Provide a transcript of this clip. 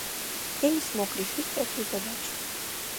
Я не смог решить эту задачу.